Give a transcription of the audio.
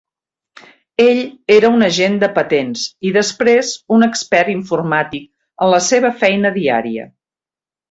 Ell era un agent de patents i després un expert informàtic en la seva feina diària.